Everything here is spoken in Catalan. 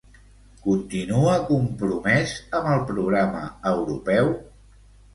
Continua compromès amb el programa europeu?